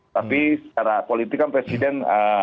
tapi secara politik kan presiden